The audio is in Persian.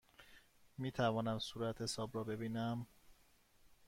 می توانم صورتحساب را ببینم؟